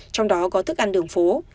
trong đó có thức ăn đường phố